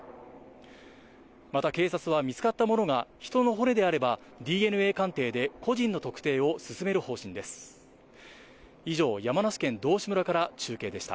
また警察は見つかったものが人の骨であればＤＮＡ鑑定で個人の特定を進める方針です。